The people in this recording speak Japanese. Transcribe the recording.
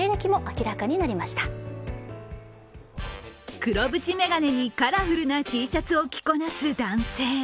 黒縁めがねにカラフルなＴシャツを着こなす男性